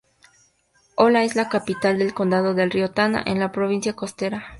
Hola es la capital del condado del río Tana, en la provincia costera.